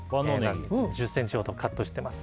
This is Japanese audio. １０ｃｍほどにカットしてあります。